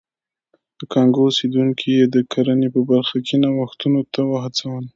د کانګو اوسېدونکي یې د کرنې په برخه کې نوښتونو ته وهڅول.